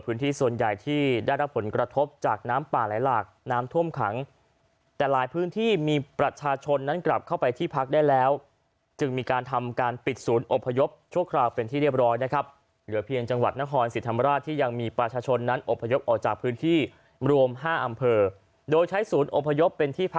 ส่วนใหญ่ที่ได้รับผลกระทบจากน้ำป่าไหลหลากน้ำท่วมขังแต่หลายพื้นที่มีประชาชนนั้นกลับเข้าไปที่พักได้แล้วจึงมีการทำการปิดศูนย์อบพยพชั่วคราวเป็นที่เรียบร้อยนะครับเหลือเพียงจังหวัดนครศรีธรรมราชที่ยังมีประชาชนนั้นอบพยพออกจากพื้นที่รวม๕อำเภอโดยใช้ศูนย์อพยพเป็นที่พ